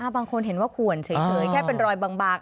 บางคนเห็นว่าขวนเฉยแค่เป็นรอยบาง